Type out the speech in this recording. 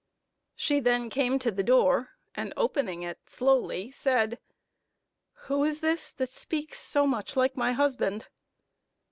She then came to the door, and opening it slowly, said, "Who is this that speaks so much like my husband?"